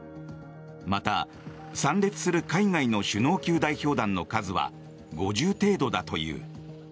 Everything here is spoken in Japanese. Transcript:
また、参列する海外の首脳級代表団の数は５０程度だという。